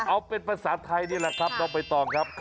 เอาเป็นภาษาไทยนี่แหละครับน้องใบตองครับ